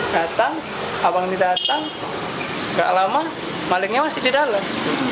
datang abang ini datang gak lama malingnya masih di dalam